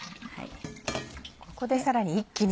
ここでさらに一気に。